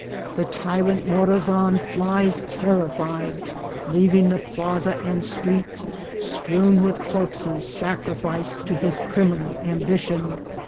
The tyrant Morazan flies terrified, leaving the plaza and streets strewed with corpses sacrificed to his criminal ambition.